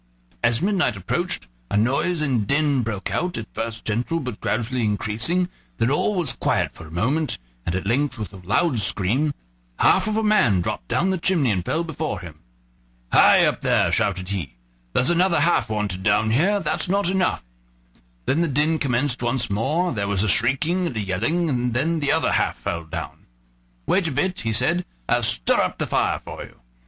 As midnight approached, a noise and din broke out, at first gentle, but gradually increasing; then all was quiet for a minute, and at length, with a loud scream, half of a man dropped down the chimney and fell before him. "Hi, up there!" shouted he; "there's another half wanted down here, that's not enough"; then the din commenced once more, there was a shrieking and a yelling, and then the other half fell down. "Wait a bit," he said; "I'll stir up the fire for you."